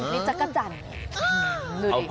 นี่จักรจันทร์